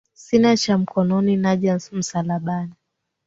Sina cha mkononi, naja msalabani